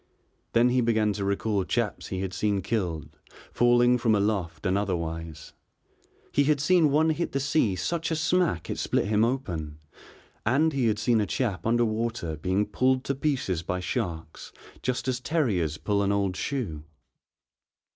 Then he began to recall chaps he had seen killed, falling from aloft and otherwise. He had seen one hit the sea such a smack it split him open, and he had seen a chap under water being pulled to pieces by sharks just as terriers pull an old shoe.